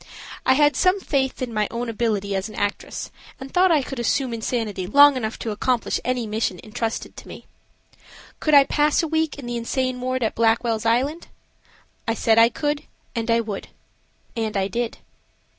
I had some faith in my own ability as an actress and thought I could assume insanity long enough to accomplish any mission intrusted to me. Could I pass a week in the insane ward at Blackwell's Island? I said I could and I would. And I did.